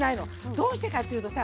どうしてかというとさ